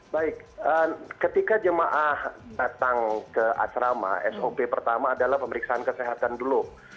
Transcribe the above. baik ketika jemaah datang ke asrama sop pertama adalah pemeriksaan kesehatan dulu